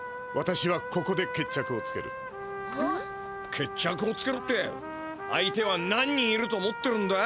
決着をつけるって相手は何人いると思ってるんだ？